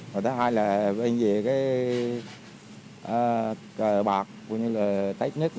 và thứ hai là bên dưới cờ bạc tết nước